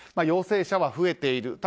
陽性者は増えている。